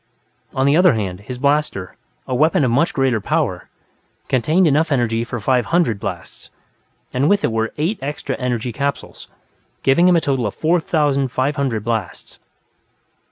On the other hand, his blaster, a weapon of much greater power, contained enough energy for five hundred blasts, and with it were eight extra energy capsules, giving him a total of four thousand five hundred blasts.